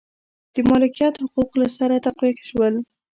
د مالکیت حقوق له سره تقویه شول.